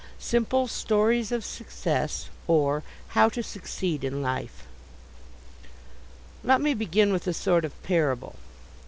XVI. Simple Stories of Success, or How to Succeed in Life Let me begin with a sort of parable.